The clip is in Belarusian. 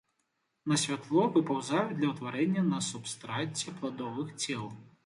На святло выпаўзаюць для ўтварэння на субстраце пладовых цел.